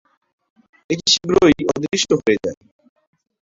এটি শীঘ্রই অদৃশ্য হয়ে যায়।